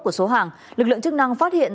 của số hàng lực lượng chức năng phát hiện